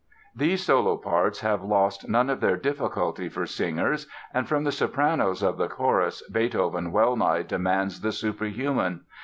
_] These solo parts have lost none of their difficulty for singers, and from the sopranos of the chorus Beethoven well nigh demands the superhuman.